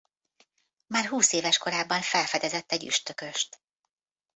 Már húszéves korában felfedezett egy üstököst.